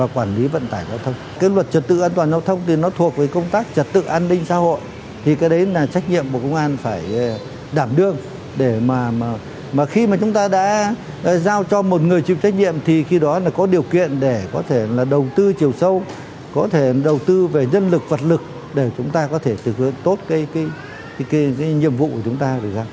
cái luật trật tựa đoàn giao thông thì nó thuộc về công tác trật tựa an ninh xã hội thì cái đấy là trách nhiệm của công an phải đảm đương để mà khi mà chúng ta đã giao cho một người chịu trách nhiệm thì khi đó là có điều kiện để có thể là đầu tư chiều sâu có thể đầu tư về nhân lực vật lực để chúng ta có thể thực hiện tốt cái nhiệm vụ của chúng ta